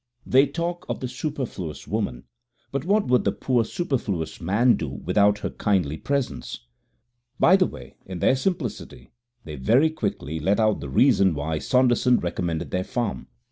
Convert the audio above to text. They talk of the superfluous woman, but what would the poor superfluous man do without her kindly presence? By the way, in their simplicity they very quickly let out the reason why Saunderson recommended their farm.